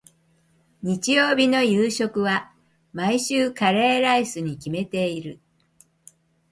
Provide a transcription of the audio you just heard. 日曜日の夕食は、毎週カレーライスに決めている。